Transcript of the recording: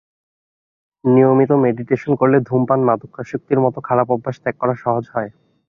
নিয়মিত মেডিটেশন করলে ধূমপান, মাদকাসক্তির মতো খারাপ অভ্যাস ত্যাগ করা সহজ হয়।